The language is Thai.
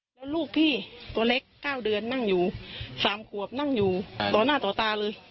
แล้วลูกพี่ตัวเล็ก๙เดือนนั่งอยู่๓ขวบนั่งอยู่ต่อหน้าต่อตาเลย